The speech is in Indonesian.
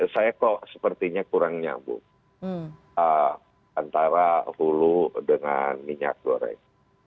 saya kok sepertinya kurang nyambung antara hulu dengan minyak goreng